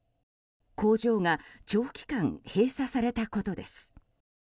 工場が長期間閉鎖されたことです。